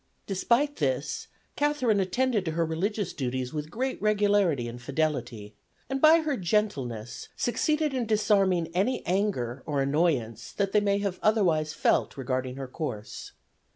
Despite this, Catherine attended to her religious duties with great regularity and fidelity, and by her gentleness succeeded in disarming any anger or annoyance that they might have otherwise felt regarding her course.